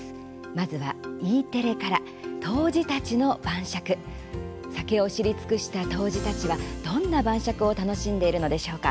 まずはＥテレから酒を知り尽くした杜氏たちはどんな晩酌を楽しんでいるのでしょうか。